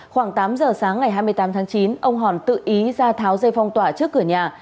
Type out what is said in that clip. khoảng tám giờ sáng ngày hai mươi tám tháng chín ông hòn tự ý ra tháo dây phong tỏa trước cửa nhà